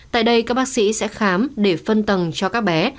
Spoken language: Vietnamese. tại đây các bác sĩ sẽ khám để phân tầng cho các bé